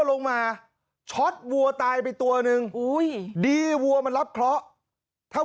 ลงมาช็อตวัวตายไปตัวหนึ่งอุ้ยดีวัวมันรับเคราะห์ถ้า